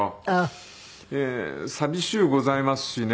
寂しゅうございますしね。